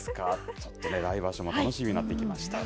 ちょっと、来場所も楽しみになってきました。